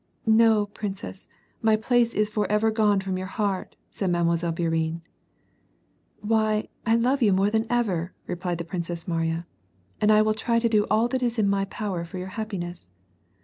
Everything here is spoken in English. " No, princess, my place is forever gone from your heart," • said Mile. Bourienne. "Why I love you more than ever," replied the Princess Mariya, "and I will try to do all that is in my power for your happiness."